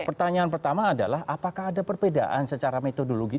pertanyaan pertama adalah apakah ada perbedaan secara metodologi